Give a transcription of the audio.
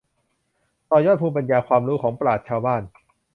ต่อยอดภูมิปัญญาความรู้ของปราชญ์ชาวบ้าน